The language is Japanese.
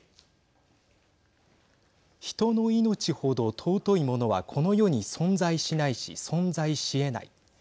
人の命程、尊いものはこの世に存在しないし存在しえない。